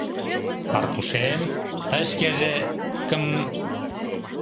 — Марпушем — тый шкеже... гм!